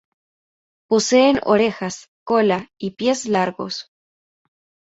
Poseen orejas, cola y pies largos.